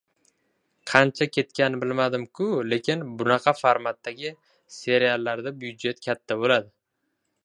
Qancha ketgan bilmadim-ku, lekin bunaqa formatdagi serallarda byudjet katta boʻladi.